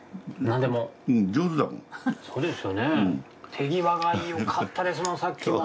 手際がよかったですもんさっきも。